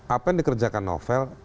apa yang dikerjakan novel